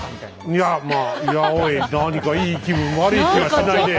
いやまあいやおい何かいい気分悪い気はしないねえ。